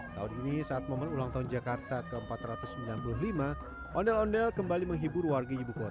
tahun ini saat momen ulang tahun jakarta ke empat ratus sembilan puluh lima ondel ondel kembali menghibur warga ibu kota